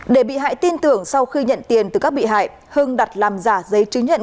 để bị hại tin tưởng sau khi nhận tiền từ các bị hại hưng đặt làm giả giấy chứng nhận